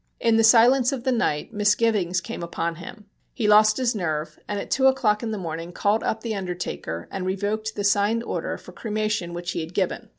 In the silence of the night misgivings came upon him. He lost his nerve, and at two o'clock in the morning called up the undertaker and revoked the signed order for cremation which he had given.